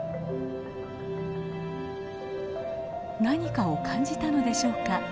何かを感じたのでしょうか。